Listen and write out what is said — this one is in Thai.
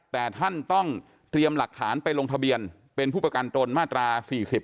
แต่ท่านต้องเตรียมหลักฐานไปลงทะเบียนเป็นผู้ประกันตนมาตรา๔๐